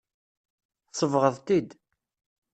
Tsebɣeḍ-t-id.